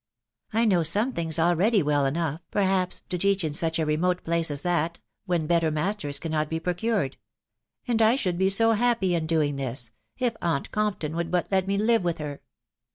... I know some things already well enough, perhaps, to teach in such a remote place as that, when better masters cannot be procured ; and I should be to happy in doing this ... if aunt Compton would but let me live with her."